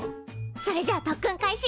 それじゃあ特訓開始！